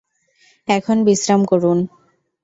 এখন বিশ্রাম করুন।